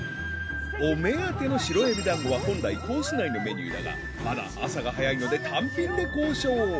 ［お目当ての白えび団子は本来コース内のメニューだがまだ朝が早いので単品で交渉］